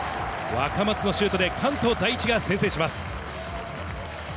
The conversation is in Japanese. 若松のシュートで関東第一が先制します。